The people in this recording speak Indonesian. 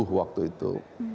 nah waktu itu